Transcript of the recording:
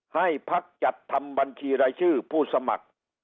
ให้พักจัดทำบัญชีรายชื่อผู้สมัคร